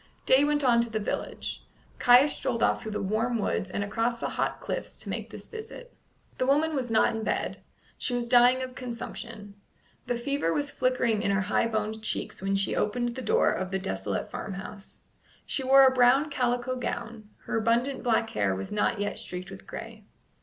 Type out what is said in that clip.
Day went on to the village. Caius strolled off through the warm woods and across the hot cliffs to make this visit. The woman was not in bed. She was dying of consumption. The fever was flickering in her high boned cheeks when she opened the door of the desolate farmhouse. She wore a brown calico gown; her abundant black hair was not yet streaked with gray.